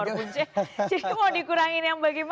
jadi mau dikurangin yang bagaimana